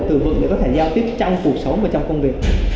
có đủ từ vựng để có thể giao tiếp trong cuộc sống và trong công việc